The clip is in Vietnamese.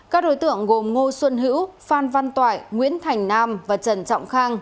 các đối tượng gồm ngô xuân hữu phan văn toại nguyễn thành nam và trần trọng khang